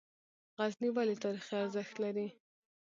غزني ولې تاریخي ارزښت لري؟